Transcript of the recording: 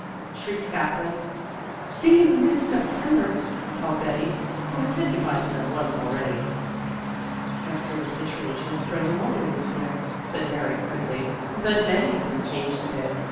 shrieked Katherine. "See you next September," called Betty, who had said good bye to them once already. "Katherine Kittredge has grown older this year," said Mary critically, "but Betty hasn't changed a bit.